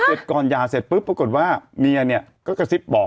เสร็จก่อนหย่าเสร็จปุ๊บปรากฏว่าเมียเนี่ยก็กระซิบบอก